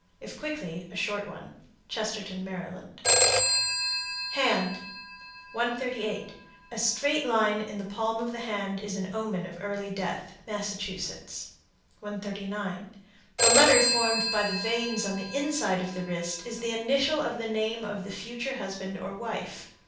If quickly, a short one. Chestertown, Md. HAND. 138. A straight line in the palm of the hand is an omen of early death. Massachusetts. 139. The letter formed by the veins on the inside of the wrist is the initial of the name of the future husband or wife.